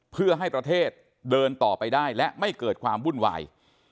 เพื่อให้ประเทศเดินต่อไปได้และไม่เกิดความวุ่นวาย